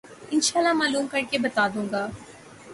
ان شاءاللہ معلوم کر کے بتا دوں گا۔